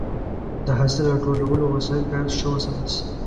د حاصل راټولولو وسایل باید ښه وساتل شي.